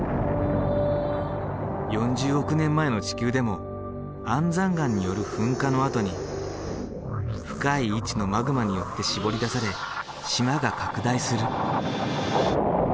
４０億年前の地球でも安山岩による噴火のあとに深い位置のマグマによってしぼり出され島が拡大する。